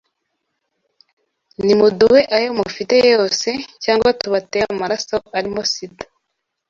nimuduhe ayo mufite yose cyangwa tubatere amaraso arimo SIDA